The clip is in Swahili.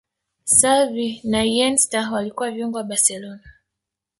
Xavi na Iniesta walikuwa viungo wa barcelona